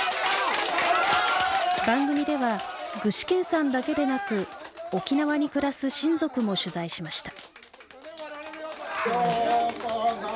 番組では具志堅さんだけでなく沖縄に暮らす親族も取材しました。